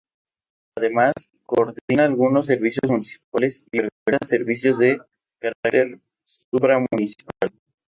Además, coordina algunos servicios municipales y organiza servicios de carácter supramunicipal.